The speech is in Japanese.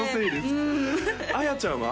綾ちゃんは？